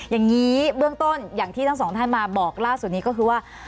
อย่างนี้เบื้องต้นอย่างที่ทั้งสองท่านมาบอกล่าสุดนี้ก็คือว่า